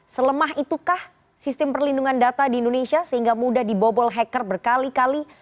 selemah itukah sistem perlindungan data di indonesia sehingga mudah dibobol hacker berkali kali